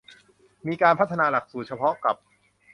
มีการพัฒนาหลักสูตรเฉพาะกับ